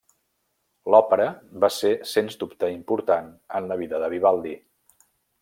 L'òpera va ser sens dubte important en la vida de Vivaldi.